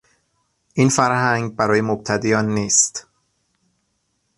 این فرهنگ برای مبتدیان نیست.